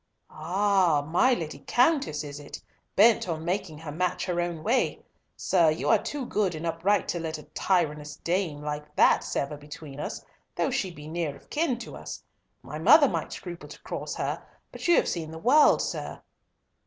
Ah! my Lady Countess is it, bent on making her match her own way? Sir, you are too good and upright to let a tyrannous dame like that sever between us, though she be near of kin to us. My mother might scruple to cross her, but you have seen the world, sir."